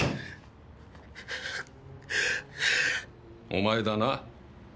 お前だな？